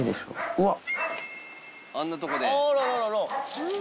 うわっ。